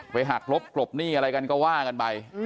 หักลบกลบหนี้อะไรกันก็ว่ากันไป